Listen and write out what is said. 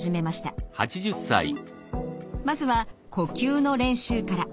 まずは呼吸の練習から。